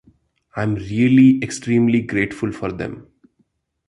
I’m really extremely grateful for them.